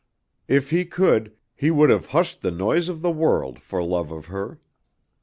If he could he would have hushed the noise of the world for love of her.